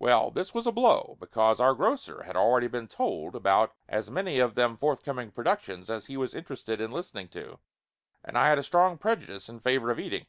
Well, this was a blow because our grocer had already been told about as many of them forthcoming produc tions as he was interested in listening to, and I had a strong prejudice in favor of eating.